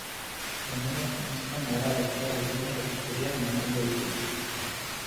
Lehenengo kamisetan marra bertikal urdinak eta zuriak mantendu ditu.